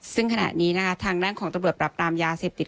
ซึ่งขณะนี้นะคะทางด้านของตำรวจปรับปรามยาเสพติด